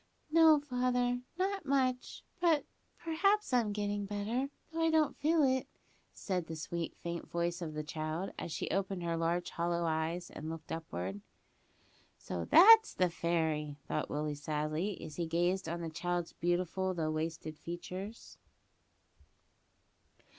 "No, father, not much; but perhaps I'm gettin' better, though I don't feel it," said the sweet, faint voice of the child, as she opened her large hollow eyes, and looked upward. "So, that's the fairy!" thought Willie sadly, as he gazed on the child's beautiful though wasted features.